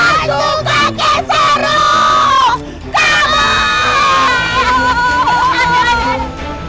hantu kakek seru